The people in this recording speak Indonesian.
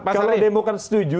kalau demokan setuju